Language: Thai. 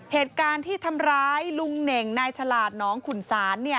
เหตุการณ์ที่ทำร้ายลุงเน่งนายฉลาดน้องขุนศาล